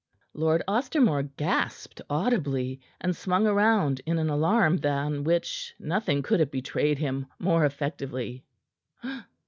Lord Ostermore gasped audibly and swung round in an alarm than which nothing could have betrayed him more effectively.